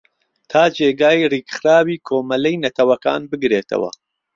تا جێگای ریکخراوی کۆمەلەی نەتەوەکان بگرێتەوە